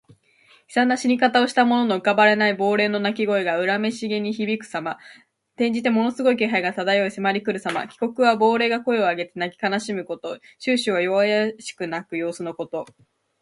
悲惨な死に方をした者の浮かばれない亡霊の泣き声が、恨めしげに響くさま。転じてものすごい気配が漂い迫りくるさま。「鬼哭」は亡霊が声を上げて泣き悲しむこと。「啾啾」は弱弱しく鳴く様子のこと。